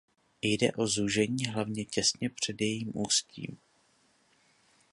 Jde o zúžení hlavně těsně před jejím ústím.